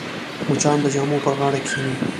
مچان د جامو پر غاړه کښېني